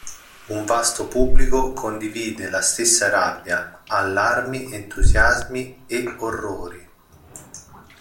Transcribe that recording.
Un vasto pubblico condivide la stessa rabbia, allarmi, entusiasmi e orrori.